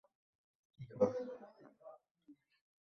সুরাত থেকে দুই লাখ মানুষ উদবাসিত হয়েছেন, নিউমোনিক প্লেগের কারণেই।